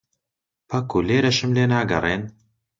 پەکوو لێرەشم لێ ناگەڕێن؟